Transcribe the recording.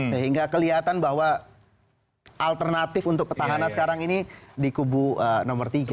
sehingga kelihatan bahwa alternatif untuk petahana sekarang ini di kubu nomor tiga